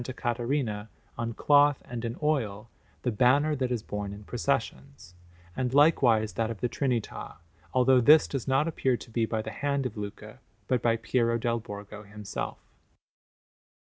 Caterina, on cloth and in oil, the banner that is borne in processions, and likewise that of the Trinità, although this does not appear to be by the hand of Luca, but by Piero dal Borgo himself.